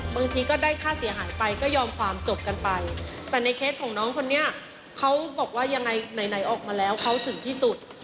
บางทีก็ได้ค่าเสียหายไปก็ยอมความจบกันไปแต่ในเคสของน้องคนนี้เขาบอกว่ายังไงไหนออกมาแล้วเขาถึงที่สุด